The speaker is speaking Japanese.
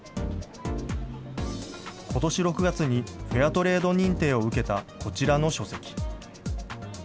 ことし６月にフェアトレード認定を受けたこちらの書籍。